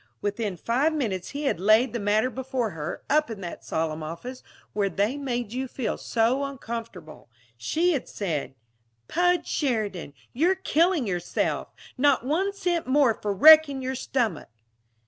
Within five minutes he had laid the matter before her up in that solemn office, where they made you feel so uncomfortable. She had said: "Pudge Sheridan, you're killing yourself! Not one cent more for wrecking your stomach!"